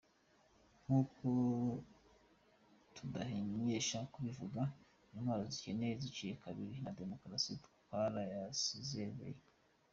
Nk'uko tudahengeshanya kubivuga, intwaro z'igikenye ziciye kubiri na demokarasi twarazisezereye.